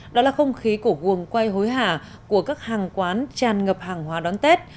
đó là không khí cổ quần quay hối hả của các hàng quán tràn ngập hàng hóa đón tết